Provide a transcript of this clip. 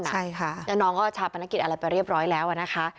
ใช่ค่ะน้องก็ชาวภัณฑ์นักกิจอะไรไปเรียบร้อยแล้วอ่ะนะคะ